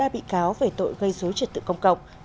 một mươi ba bị cáo về tội gây rối trật tự công cộng